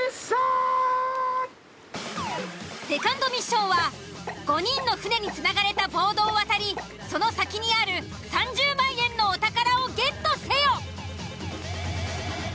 セカンドミッションは５人の船につながれたボードを渡りその先にある３０万円のお宝をゲットせよ！